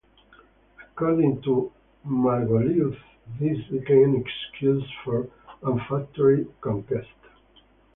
According to Margoliouth, this became an excuse for unfettered conquest.